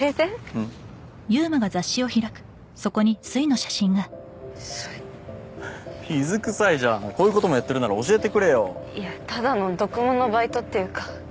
うんそれ水くさいじゃんこういうこともやってるなら教えてくれよいやただの読モのバイトっていうか